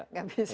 nggak bisa ya